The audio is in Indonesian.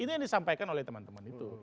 itu yang disampaikan oleh teman teman itu